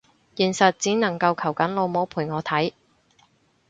現實只能夠求緊老母陪我睇